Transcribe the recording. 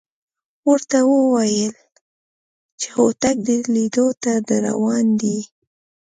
ورته وېویل چې هوتک د لیدو ته درروان دی.